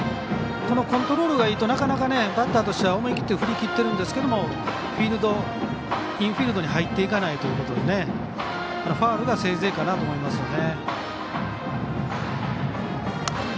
このコントロールがいいとなかなかバッターとしては思い切って振りにいっているんですけどインフィールドに入っていかないということでファウルがせいぜいかなと思いますね。